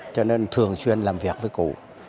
cho nên thường xuyên làm việc với cử